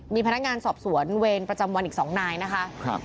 มีพนักงานสอบสวนเวรประจำวันอีก๒นายนะคะ